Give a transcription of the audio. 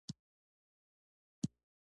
موږ د یوه چا هرکلي په موخه روان وو.